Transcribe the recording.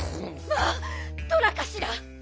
まあっトラかしら？